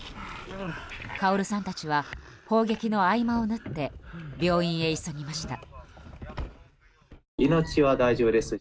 カオルさんたちは砲撃の合間を縫って病院へ急ぎました。